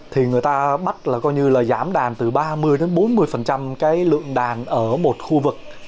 thì người ta bắt là coi như là giảm đàn từ ba mươi đến bốn mươi cái lượng đàn ở một khu vực